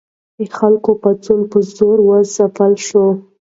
د خلکو پاڅون په زور وځپل شو.